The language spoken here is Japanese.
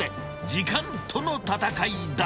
時間との戦いだ。